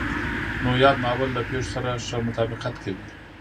نو ياد ناول له پېښو سره ښه مطابقت کوي.